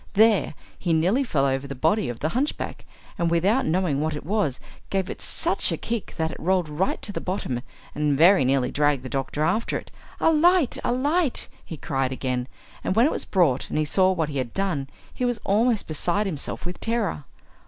There he nearly fell over the body of the hunchback, and without knowing what it was gave it such a kick that it rolled right to the bottom, and very nearly dragged the doctor after it. "A light! a light!" he cried again, and when it was brought and he saw what he had done he was almost beside himself with terror.